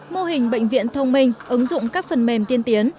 mô hình bệnh viện thông minh ứng dụng các phần mềm tiên tiến